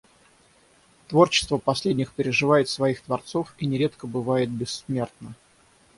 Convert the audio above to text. Творчество последних переживает своих творцов и нередко бывает бессмертно.